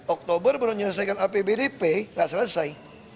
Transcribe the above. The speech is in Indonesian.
oktober baru nyelesaikan apbdp nggak selesai